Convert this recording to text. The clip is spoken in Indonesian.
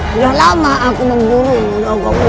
sudah lama aku membunuhmu nogokrumu